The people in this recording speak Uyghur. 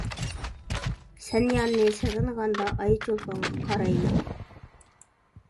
سەن يارنى سېغىنغاندا، ئاي چولپانغا قارايمەن.